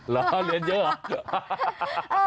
เหรอเรียนเยอะเหรอ